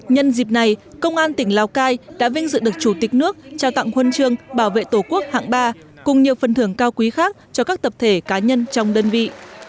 nhân dịp này công an tỉnh lào cai đã vinh dự được chủ tịch nước trao tặng huân chương bảo vệ tổ quốc hạng ba cùng nhiều phần thưởng cao quý khác cho các tập thể cá nhân trong đơn vị